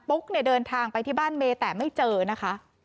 ุ๊กเนี่ยเดินทางไปที่บ้านเมย์แต่ไม่เจอนะคะ